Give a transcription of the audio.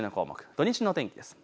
土日の天気です。